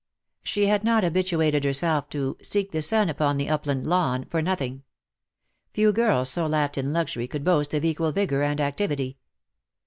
She had not habituated herself to " seek the sun upon the upland lawn," for nothing. Few girls so lapped in luxury could boast of equal vigour and activity.